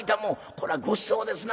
これはごちそうですな。